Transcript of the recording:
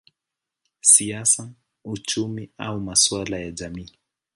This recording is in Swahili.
siasa, uchumi au masuala ya jamii.